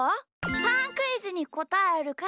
パンクイズにこたえるか